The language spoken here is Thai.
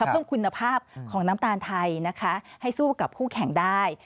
เพิ่มคุณภาพของน้ำตาลไทยนะคะให้สู้กับคู่แข่งได้